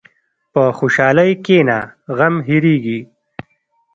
په خوشحالۍ کښېنه، غم هېرېږي.